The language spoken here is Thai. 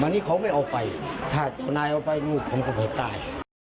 วันนี้เขาไม่เอาไปถ้าเจ้านายเอาไปผมก็ไม่ตาย